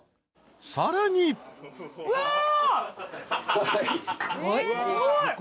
［さらに］うわぁ。